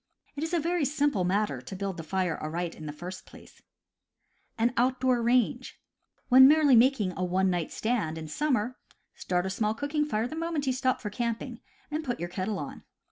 It is a very simple matter to build the fire aright in the first place. When merely making a "one night stand," in sum mer, start a small cooking fire the moment you stop A O M ^^^ camping, and put your kettle on.